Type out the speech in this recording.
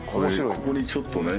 ここにちょっとね